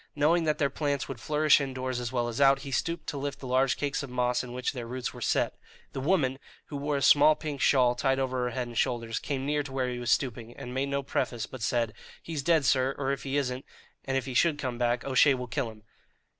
Knowing that their plants would flourish indoors as well as out, he stooped to lift the large cakes of moss in which their roots were set. The woman, who wore a small pink shawl tied over her head and shoulders, came near to where he was stooping, and made no preface, but said: "He's dead, sir; or if he isn't, and if he should come back, O'Shea will kill him!"